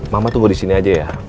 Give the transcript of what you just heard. mama tunggu disini aja ya